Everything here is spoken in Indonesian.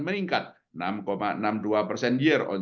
kira kira transaksi yang anda inginkan